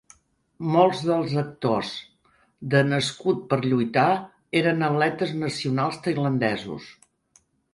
Molts dels actors de "Nascut per lluitar" eren atletes nacionals tailandesos.